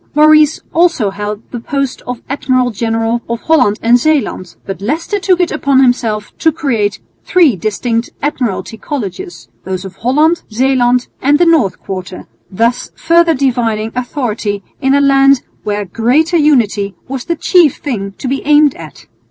Maurice also held the post of Admiral General of Holland and Zeeland, but Leicester took it upon himself to create three distinct Admiralty Colleges, those of Holland, Zeeland, and the North Quarter, thus further dividing authority in a land where greater unity was the chief thing to be aimed at.